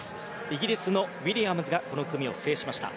イギリスのウィリアムズがこの組を制しました。